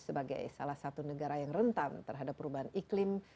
sebagai salah satu negara yang rentan terhadap perubahan iklim